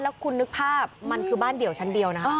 แล้วคุณนึกภาพมันคือบ้านเดี่ยวชั้นเดียวนะคะ